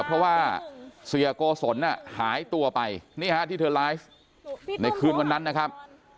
เพราะว่าเสียโกศลหายตัวไปนี่ฮะที่เธอไลฟ์ในคืนวันนั้นนะครับ